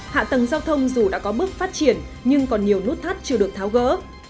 hạ tầng giao thông dù đã có bước phát triển nhưng còn nhiều nút thắt chưa được tháo gỡ